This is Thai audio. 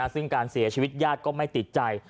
ซึ่งการเสียชีวิตญาติก็ไม่ติดใจ